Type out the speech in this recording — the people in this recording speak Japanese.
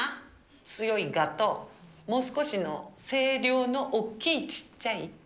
強い我ともう少しの声量のおっきい、ちっちゃい。